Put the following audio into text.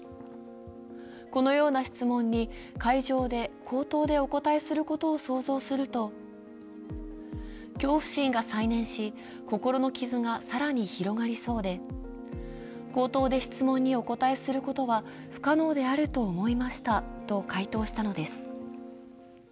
このような質問に会場で口頭でお答えすることを想像すると恐怖心が再燃し心の傷が更に広がりそうで口頭で質問にお答えすることは不可能であると思いましたと回答したのです。